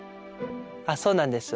あっそうなんですよ。